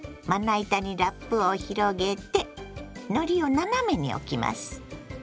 まな板にラップを広げてのりを斜めに置きます。